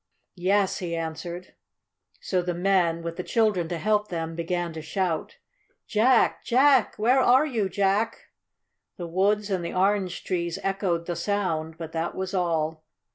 "Yes," he answered. So the men, with the children to help them, began to shout. "Jack! Jack! Where are you, Jack?" The woods and the orange trees echoed the sound, but that was all.